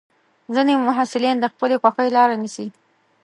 ځینې محصلین د خپلې خوښې لاره نیسي.